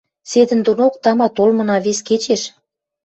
Седӹндонок, тама, толмына вес кечеш